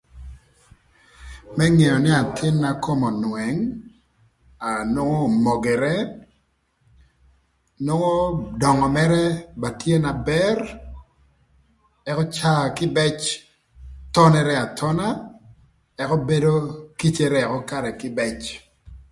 Më ngeo nï athïn-na kome önwëng, aa nwongo omogere, nwongo döngö mërë ba tye na bër, ëka caa kïbëc thonere athona, ëka bedo kïcërë ökö karë kïbëc.